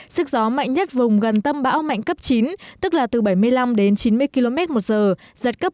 sức gió mạnh nhất vùng gần tâm bão mạnh cấp chín tức là từ bảy mươi năm đến chín mươi km một giờ giật cấp một mươi